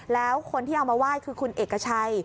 แล้วคนที่เอามาไหว้คือคุณเอกชัย